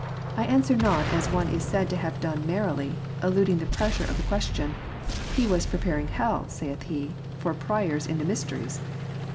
" I answer not as one is said to have done merrily, (eluding the pressure of the question,) " He was preparing hell (saith he) for pryers into mysteries."